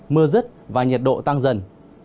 mưa dứt và nhiệt độ tăng dần